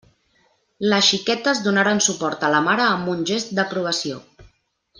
Les xiquetes donaren suport a la mare amb un gest d'aprovació.